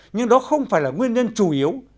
nhưng đó không phải là nguyên nhân chủ yếu